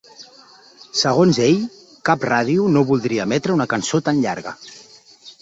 Segons ell, cap ràdio no voldria emetre una cançó tan llarga.